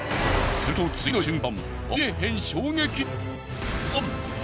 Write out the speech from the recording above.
すると次の瞬間